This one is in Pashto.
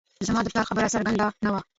زما د پلار خبره څرګنده نه وه